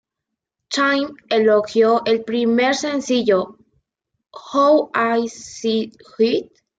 Time elogió el primer sencillo, "How I See It?